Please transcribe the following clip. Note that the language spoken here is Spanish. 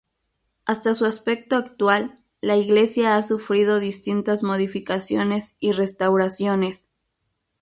Hasta su aspecto actual, la iglesia ha sufrido distintas modificaciones y restauraciones.